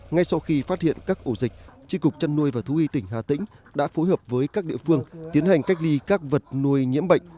ngay sau khi phát hiện các ổ dịch tri cục chăn nuôi và thú y tỉnh hà tĩnh đã phối hợp với các địa phương tiến hành cách ly các vật nuôi nhiễm bệnh